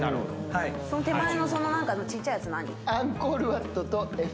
その手前のちっちゃいやつ何？